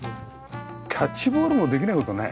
キャッチボールもできない事はない？